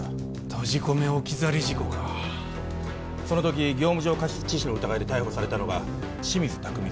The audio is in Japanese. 閉じ込め置き去り事故かその時業務上過失致死の疑いで逮捕されたのが清水拓海